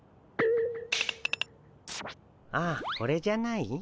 ああこれじゃない？